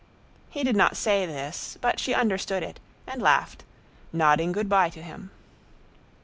He did not say this, but she understood it, and laughed, nodding good by to him.